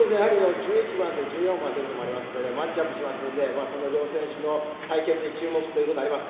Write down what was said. １１番と１４番ということもあり、マッチアップしますので、両選手の対決に注目ということがあります。